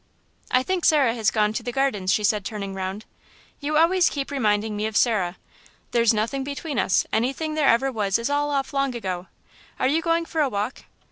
"I think Sarah has gone to the Gardens," she said, turning round. "You always keep reminding me of Sarah. There's nothing between us; anything there ever was is all off long ago.... Are you going for a walk?"